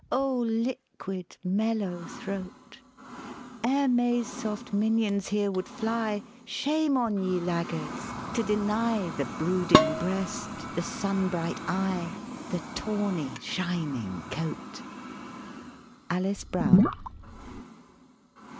O liquid, mellow throat!) Ere May's soft minions hereward fly, Shame on ye, laggards, to deny The brooding breast, the sun bright eye, The tawny, shining coat!" ALICE BROWN.